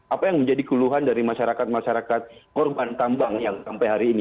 apa yang menjadi keluhan dari masyarakat masyarakat korban tambang yang sampai hari ini